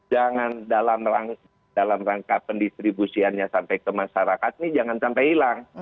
jangan dalam rangka pendistribusiannya sampai ke masyarakat ini jangan sampai hilang